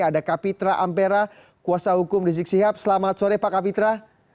ada kapitra ampera kuasa hukum rizik sihab selamat sore pak kapitra